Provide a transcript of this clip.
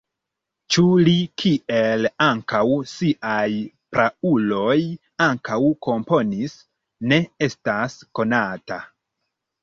Ĉu li kiel ankaŭ siaj prauloj ankaŭ komponis, ne estas konata.